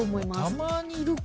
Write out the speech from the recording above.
たまにいるか。